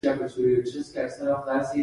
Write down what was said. کروندګر موږ ته ډوډۍ راکوي